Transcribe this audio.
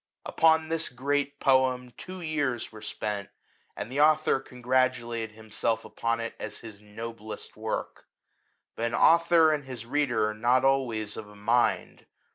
Upon this great poem two years were spent, and the author congratulated himself upon it as his noblest work; but an author and his reader are not always of a mind.